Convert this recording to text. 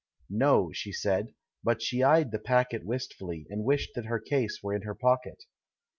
"Xo," she said; but she eyed the packet wist fully, and wished that her case were in her pocket.